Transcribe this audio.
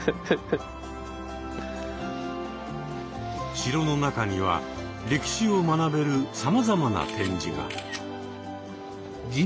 城の中には歴史を学べるさまざまな展示が。